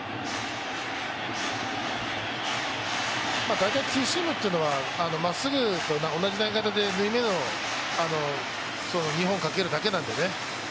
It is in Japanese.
大体ツーシームというのはまっすぐと同じ投げ方で縫い目に２本かけるだけなんでね。